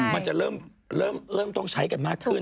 มันจะเริ่มต้องใช้กันมากขึ้น